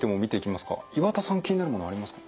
岩田さん気になるものはありますか？